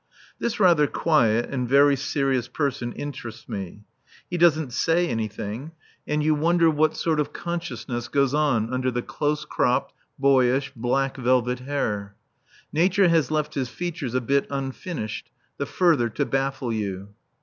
This rather quiet and very serious person interests me. He doesn't say anything, and you wonder what sort of consciousness goes on under the close cropped, boyish, black velvet hair. Nature has left his features a bit unfinished, the further to baffle you.